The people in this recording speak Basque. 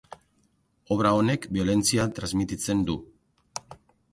Obra honek biolentzia transmititzen du.